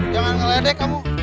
jangan ngeledek kamu